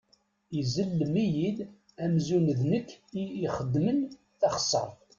Izellem-iyi-d amzun d nekk i ixedmen taxeṣṣaṛt!